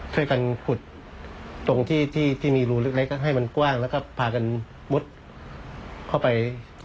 ช่วยกันขุดตรงที่ที่มีรูเล็กให้มันกว้างแล้วก็พากันมุดเข้าไป